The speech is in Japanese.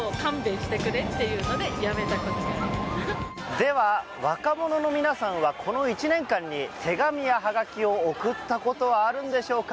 では、若者の皆さんはこの１年間に手紙やはがきを送ったことはあるんでしょうか。